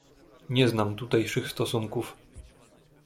"Nie znam tutejszych stosunków."